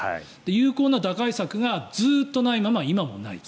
有効な打開策がずっとないまま今もない。